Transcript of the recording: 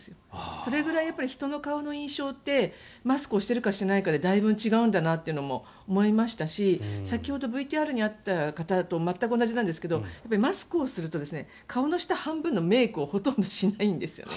それぐらい人の顔の印象ってマスクをしているかしていないかでだいぶ違うんだなというのも思いましたし先ほど、ＶＴＲにあった方とまったく同じなんですけどマスクをすると顔の下半分のメイクをほとんどしないんですよね。